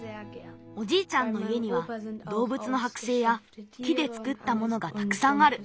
おじいちゃんのいえにはどうぶつのはくせいや木でつくったものがたくさんある。